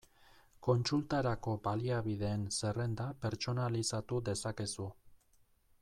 Kontsultarako baliabideen zerrenda pertsonalizatu dezakezu.